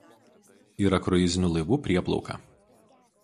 Yra kruizinių laivų prieplauka.